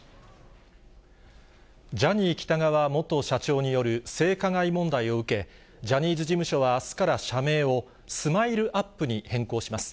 ジャニー喜多川元社長による性加害問題を受け、ジャニーズ事務所はあすから社名をスマイルアップに変更します。